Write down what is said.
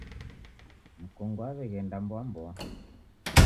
Mkongo waw'eghenda mboa mboa.